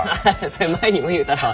それ前にも言うたろう？